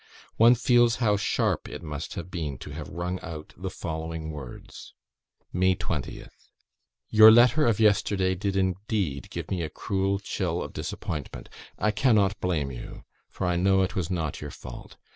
One feels how sharp it must have been to have wrung out the following words. "May 20th. "Your letter of yesterday did indeed give me a cruel chill of disappointment. I cannot blame you, for I know it was not your fault.